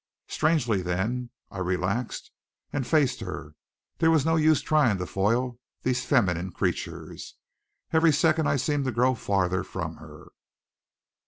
Strangely, then, I relaxed and faced her. There was no use trying to foil these feminine creatures. Every second I seemed to grow farther from her.